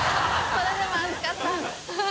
それでも熱かった。